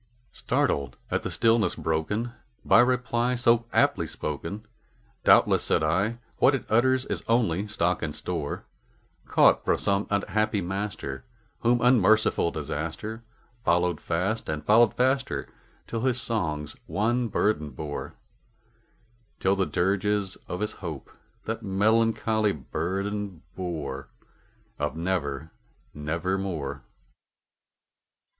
Startled at the stillness broken by reply so aptly spoken, "Doubtless," said I, "what it utters is its only stock and store, Caught from some unhappy master whom unmerciful Disaster Followed fast and followed faster till his songs one burden bore Till the dirges of his Hope the melancholy burden bore Of 'Never nevermore.'"